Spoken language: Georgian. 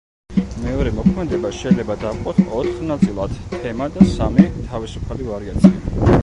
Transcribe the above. მეორე მოქმედება შეიძლება დავყოთ ოთხ ნაწილად: თემა და სამი თავისუფალი ვარიაცია.